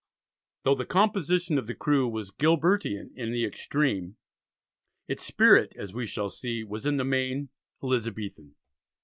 Though the composition of the crew was Gilbertian in the extreme, its spirit, as we shall see, was in the main, Elizabethan.